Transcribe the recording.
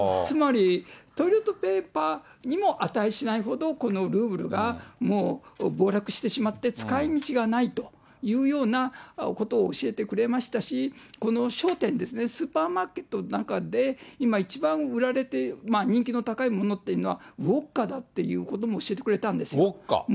つまり、トイレットペーパーにも値しないほど、このルーブルがもう暴落してしまって、使いみちがないというようなことを教えてくれましたし、この商店ですね、スーパーマーケットの中で、今一番売られて、人気の高いものっていうのはウォッカだっていうことも教えてくれウォッカ？